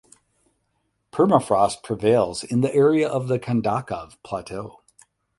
Permafrost prevails in the area of the Kondakov Plateau.